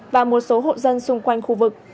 và một số hộ dân xung quanh khu vực